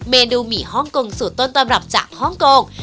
เมนูหมี่ฮ่องกงสูตรต้นตำรับจากฮ่องกง